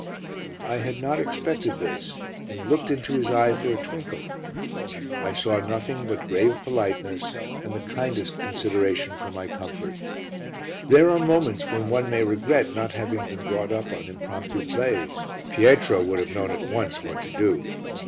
I had not expected this and looked into his eye for a twinkle, I saw nothing but grave politeness and the kindest consideration for my comfort. There are moments when one may regret not having been brought up on impromptu plays; Pietro would have known at once what to do.